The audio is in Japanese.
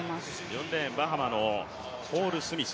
４レーン、バハマのホールスミス。